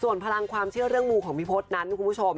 ส่วนพลังความเชื่อเรื่องมูของพี่พศนั้นคุณผู้ชม